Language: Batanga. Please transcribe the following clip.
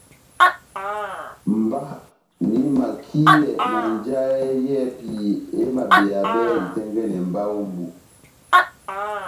Mba nahimakiyɛ na njahɛ yɛ́hɛpi emabeyabɛ itɛ́ngɛ́nɛ mba ó mbu